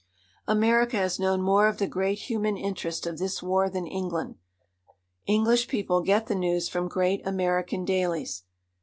America has known more of the great human interest of this war than England. English people get the news from great American dailies.